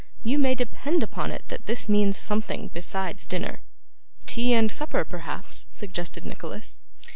You may depend upon it that this means something besides dinner.' 'Tea and supper, perhaps,' suggested Nicholas.